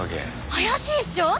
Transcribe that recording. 怪しいっしょ！？